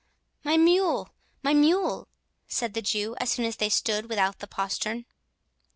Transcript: "My mule, my mule!" said the Jew, as soon as they stood without the postern.